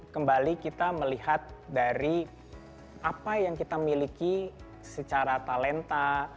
kembali kita melihat dari apa yang kita miliki secara talenta